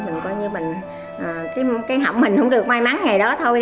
mình coi như mình cái hẩm mình không được may mắn ngày đó thôi